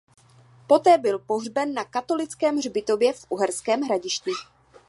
Poté byl pohřben na katolickém hřbitově v Uherském Hradišti.